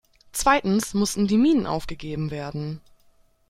Zweitens mussten die Minen aufgegeben werden.